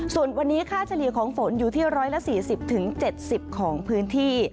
ส่วนวันนี้ค่าเฉลี่ยของฝนอยู่ที่๑๔๐๗๐ของพื้นที่